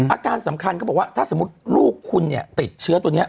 อาการสำคัญเขาบอกว่าถ้าสมมุติลูกคุณเนี่ยติดเชื้อตัวนี้